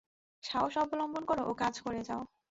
সাহস অবলম্বন কর ও কাজ করে যাও।